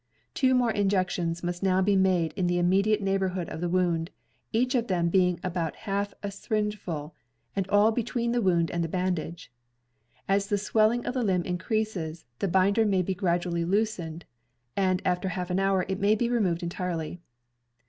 Two more injections must now be made in the immediate neighborhood of the wound, each of them being about half a syringeful and all between the wound and the bandage. As the swelling of the limb increases, the binder may be gradually loosened, and after half an hour it may be removed entirely.